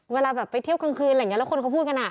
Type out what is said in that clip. เวลาแบบไปเที่ยวกลางคืนอะไรอย่างนี้แล้วคนเขาพูดกันอ่ะ